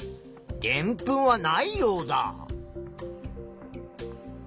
でんぷんはないヨウダ。